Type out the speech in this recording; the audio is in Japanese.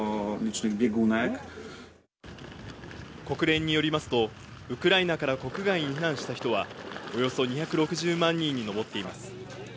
国連によりますと、ウクライナから国外に避難した人はおよそ２６０万人に上っています。